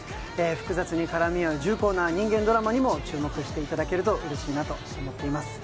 複雑に絡み合う重厚な人間ドラマにも注目していただけるとうれしいなと思います。